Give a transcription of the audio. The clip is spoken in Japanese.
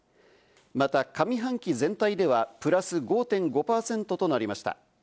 また、上半期全体ではプラス５．５％となりました。